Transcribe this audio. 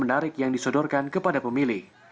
menarik yang disodorkan kepada pemilih